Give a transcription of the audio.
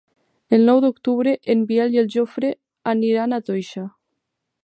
El nou d'octubre en Biel i en Jofre aniran a Toixa.